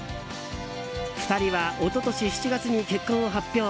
２人は一昨年７月に結婚を発表。